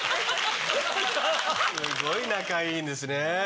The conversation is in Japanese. すごい仲いいんですねぇ。